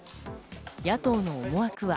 野党の思惑は？